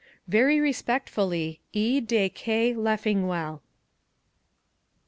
Very respectfully, E. DE K. LeffingwEll.